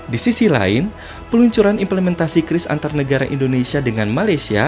di sisi lain peluncuran implementasi kris antar negara indonesia dengan malaysia